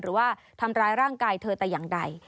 หรือว่าทำร้ายร่างกายเธอแต่อย่างใด